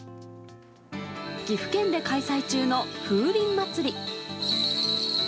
岐阜県で開催中の風鈴まつり。